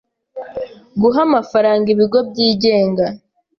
guha amafaranga ibigo byigenga